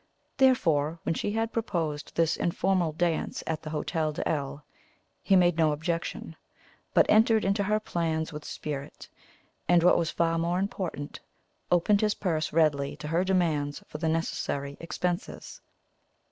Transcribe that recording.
Therefore, when she had proposed this informal dance at the Hotel de L , he made no objection, but entered into her plans with spirit; and, what was far more important, opened his purse readily to her demands for the necessary expenses.